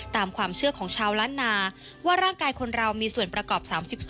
ตามความเชื่อของชาวล้านนาว่าร่างกายคนเรามีส่วนประกอบ๓๒